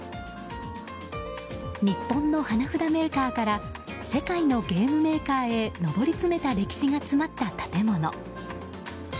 日本の花札メーカーから世界のゲームメーカーへ上り詰めた歴史が詰まった建物。